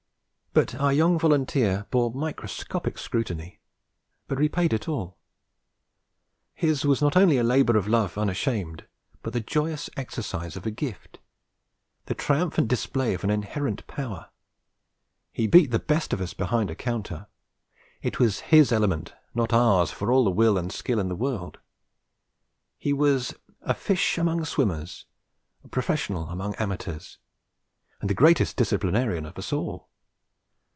But our young volunteer bore microscopic scrutiny, but repaid it all. His was not only a labour of love unashamed, but the joyous exercise of a gift, the triumphant display of an inherent power. He beat the best of us behind a counter. It was his element, not ours for all the will and skill in the world; he was a fish among swimmers, a professional among amateurs, and the greatest disciplinarian of us all.